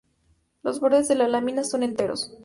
Los bordes de la lámina son enteros.